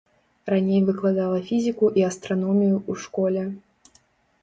Раней выкладала фізіку і астраномію ў школе.